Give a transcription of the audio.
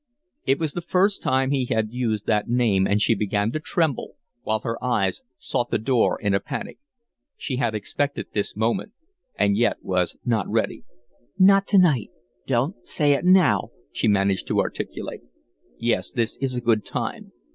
It was the first time he had used that name, and she began to tremble, while her eyes sought the door in a panic. She had expected this moment, and yet was not ready. "Not to night don't say it now," she managed to articulate. "Yes, this is a good time.